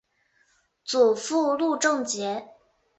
祖父路仲节。